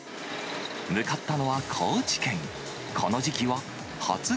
向かったのは高知県。